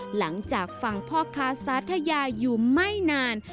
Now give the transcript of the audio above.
หลังจากฟังพ่อค้าสาธยาอยู่ไม่นาน